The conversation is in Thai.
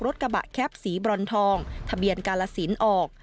กระบะแคปสีบรอนทองทะเบียนกาลสินออก